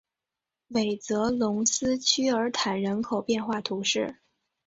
韦泽龙斯屈尔坦人口变化图示